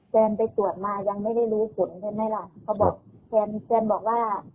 แฟนไปตรวจมายังไม่ได้รู้ผลใช่ไหมล่ะเขาบอกแฟนแฟนบอกว่า